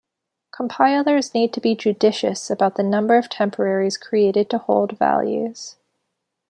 Compilers need to be judicious about the number of temporaries created to hold values.